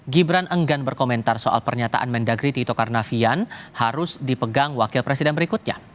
gibran enggan berkomentar soal pernyataan mendagri tito karnavian harus dipegang wakil presiden berikutnya